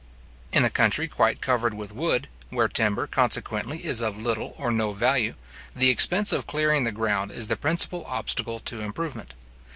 In a country quite covered with wood, where timber consequently is of little or no value, the expense of clearing the ground is the principal obstacle to improvement.